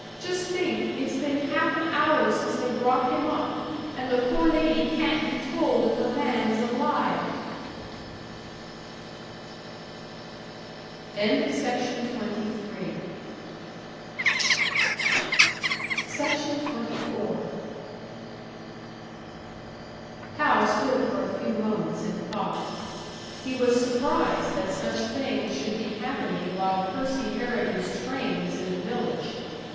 Just think, it's been half an hour since they brought him up, and the poor lady can't be told if her man is alive." SECTION 24. Hal stood for a few moments in thought. He was surprised that such things should be happening while Percy Harrigan's train was in the village.